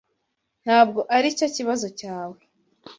Ntabwo aricyo kibazo cyawe.